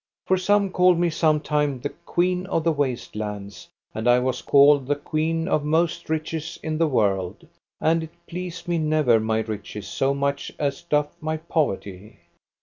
For some called me sometime the Queen of the Waste Lands, and I was called the queen of most riches in the world; and it pleased me never my riches so much as doth my poverty.